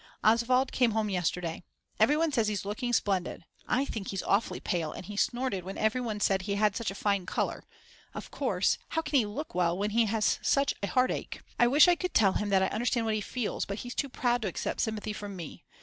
Oswald came home yesterday. Everyone says he's looking splendid; I think he's awfully pale and he snorted when everyone said he had such a fine colour; of course, how can he look well when he has such a heartache. I wish I could tell him that I understand what he feels, but he's too proud to accept sympathy from me.